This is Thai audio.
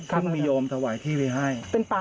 สิงค์มีโยมถวัยที่ไปให้